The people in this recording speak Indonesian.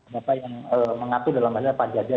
bapak yang mengaku dalam bahasa pak jaja